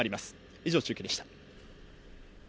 以上、中継でした。